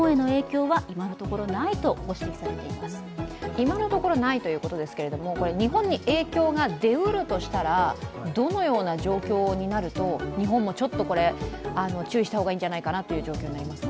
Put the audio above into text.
今のところないということですけども、日本に影響が出うるとしたらどのような状況になると日本もちょっと、これ注意した方がいいんじゃないかという状況ですか？